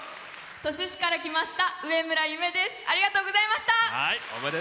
鳥栖市から来ましたうえむらです。